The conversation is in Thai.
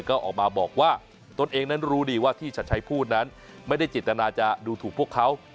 ก็ออกมาบอกว่าตนเองนั้นรู้ดีว่าที่ชัดชัยพูดนั้นไม่ได้เจตนาจะดูถูกพวกเขา